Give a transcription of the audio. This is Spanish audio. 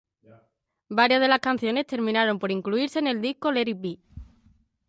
Varias de las canciones terminaron por incluirse en el disco "Let It Be".